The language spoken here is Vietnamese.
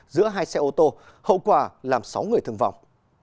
giữa hai xe ô tô hậu quả làm sáu người thương vọng